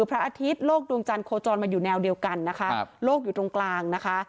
พระอาทิตย์โลกดวงจันทร์โคจรมาอยู่แนวเดียวกันนะคะโลกอยู่ตรงกลางนะคะ